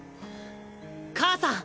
母さん！